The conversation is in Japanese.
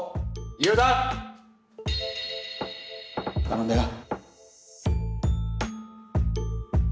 頼んだよ。